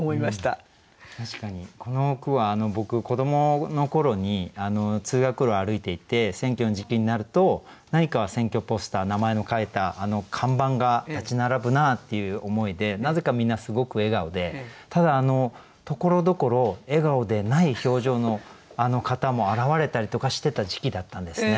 この句は僕子どもの頃に通学路を歩いていて選挙の時期になると何か選挙ポスター名前の書いたあの看板が立ち並ぶなっていう思いでなぜかみんなすごく笑顔でただところどころ笑顔でない表情の方も現れたりとかしてた時期だったんですね。